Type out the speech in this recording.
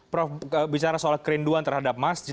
prof bicara soal kerinduan terhadap masjid